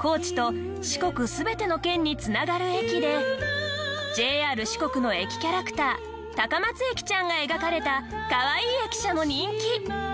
高知と四国全ての県に繋がる駅でＪＲ四国の駅キャラクターたかまつえきちゃんが描かれたかわいい駅舎も人気！